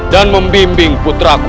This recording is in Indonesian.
dan membimbing putraku